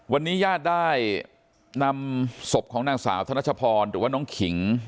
วันนี้ญาติได้นำศพของนางสาวธนชพรหรือว่าน้องขิง